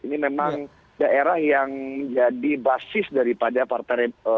ini memang daerah yang jadi basis daripada partai republik